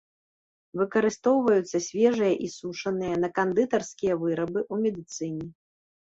Выкарыстоўваюцца свежыя і сушаныя, на кандытарскія вырабы, у медыцыне.